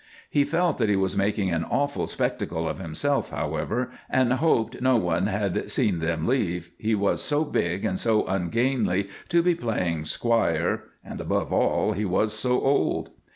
He felt that he was making an awful spectacle of himself, however, and hoped no one had seen them leave; he was so big and so ungainly to be playing squire, and, above all, he was so old.